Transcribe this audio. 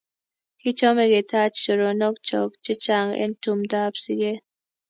Kichome ketach choronok chok chechang' eng' tumndap siget